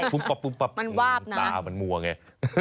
ปุ๊บป๊อบปุ๊บป๊อบตามันมั่วไง